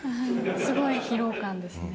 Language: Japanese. すごい疲労感ですね。